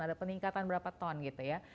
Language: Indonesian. ada peningkatan berapa ton gitu ya